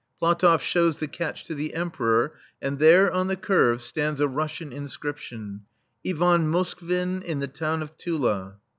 PlatofF shows the catch to the Emperor, and there, on the curve, stands a Russian inscription :" Ivan Moskvin in the town of Tula.'